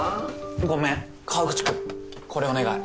ごめん河口君これお願い。